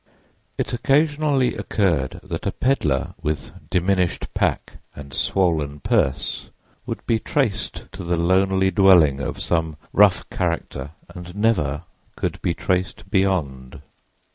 It occasionally occurred that a peddler with diminished pack and swollen purse would be traced to the lonely dwelling of some rough character and never could be traced beyond.